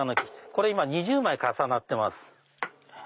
これ今２０枚重なってます。